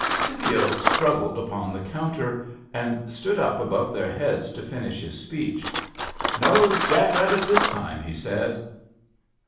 Scipio struggled upon the counter, and stood up above their heads to finish his speech. " No jack rabbit this time," he said.